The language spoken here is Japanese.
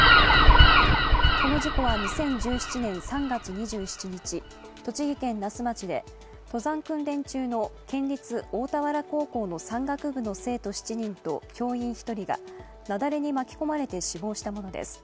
この事故は２０１７年３月２７日栃木県那須町で登山訓練中の県立大田原高校の山岳部の生徒７人と教員１人が雪崩に巻き込まれて死亡したものです。